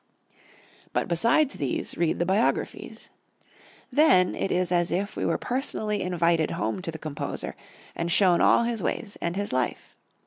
But besides these read the biographies. Then it is as if we were personally invited home to the composer and shown all his ways and his life.